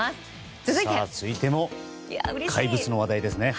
続いても怪物の話題ですね。